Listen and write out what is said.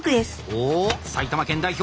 お埼玉県代表